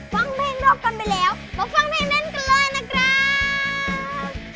ฟังเพลงร็อกกันไปแล้วมาฟังเพลงนั้นกันเลยนะครับ